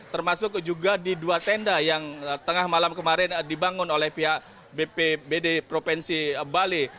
termasuk juga di dua tenda yang tengah malam kemarin dibangun oleh pihak bpbd provinsi bali